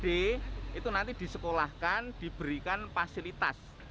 itu nanti disekolahkan diberikan fasilitas